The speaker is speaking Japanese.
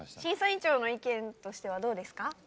審査員長の意見としてはどうですか？